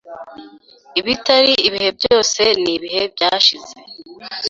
Ibitari ibihe byose nibihe byashize.